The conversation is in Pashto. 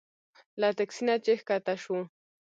له تکسي نه چې ښکته شوو.